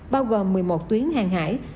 bao gồm một mươi một tuyến hàng hải